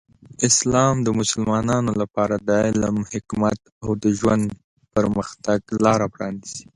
اسلام د مسلمانانو لپاره د علم، حکمت، او د ژوند پرمختګ لاره پرانیزي.